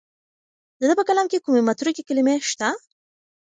د ده په کلام کې کومې متروکې کلمې شته؟